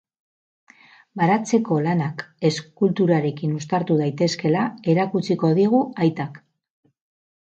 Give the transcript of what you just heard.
Baratzeko lanak eskulturarekin uztartu daitezkeela erakutsiko digu aitak.